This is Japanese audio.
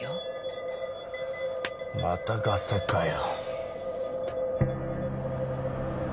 またガセかよ。